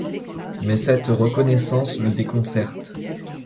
Mais cette reconnaissance le déconcerte.